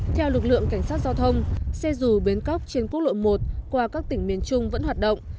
theo lực lượng cảnh sát giao thông xe dù bến cóc trên quốc lộ một qua các tỉnh miền trung vẫn hoạt động